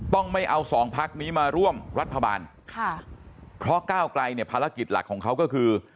ต้องไม่เอาสองพักนี้มาร่วมรัฐบาลค่ะเพราะก้าวไกลเนี่ยภารกิจหลักของเขาก็คือ